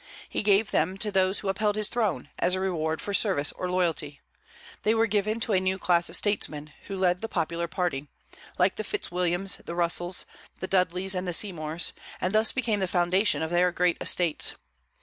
He gave them to those who upheld his throne, as a reward for service or loyalty. They were given to a new class of statesmen, who led the popular party, like the Fitzwilliams, the Russells, the Dudleys, and the Seymours, and thus became the foundation of their great estates.